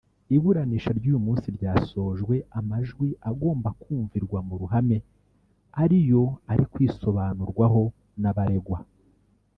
Iburanisha ry’uyu munsi ryasojwe amajwi agomba kumvirwa mu ruhame ariyo ari kwisobanurwaho n’abaregwa